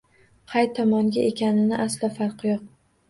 Qay tomonga ekanining aslo farqi yo’q.